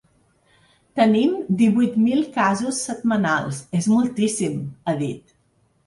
“Tenim divuit mil casos, setmanals: és moltíssim”, ha dit.